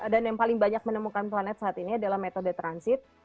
dan yang paling banyak menemukan planet saat ini adalah metode transit